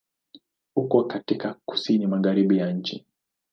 Uko katika Kusini Magharibi ya nchi.